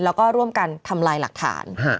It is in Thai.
แล้วก็ร่วมกันทำลายหลักฐาน